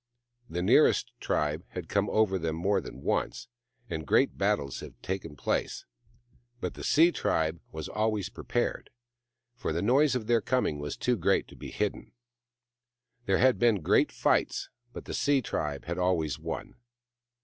The nearest tribe had come over more than once, and great battles had taken place ; but the sea tribe 132 THE MAIDEN WHO FOUND THE MOON 133 was always prepared, for the noise of their coming was too great to be hidden. There had been great fights, but the sea tribe had always won.